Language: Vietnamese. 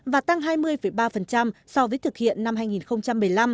và tăng hai mươi ba so với thực hiện năm hai nghìn một mươi năm